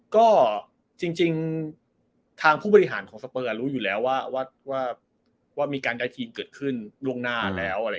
ก็จริงทางผู้บริหารของสเปอร์รู้อยู่แล้วว่ามีการย้ายทีมเกิดขึ้นล่วงหน้าแล้ว